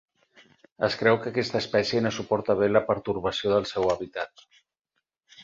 Es creu que aquesta espècie no suporta bé la pertorbació del seu hàbitat.